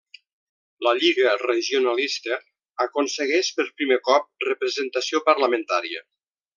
La Lliga Regionalista aconsegueix per primer cop representació parlamentària.